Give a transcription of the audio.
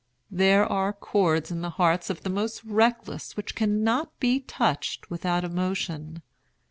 There are chords in the hearts of the most reckless which cannot be touched without emotion.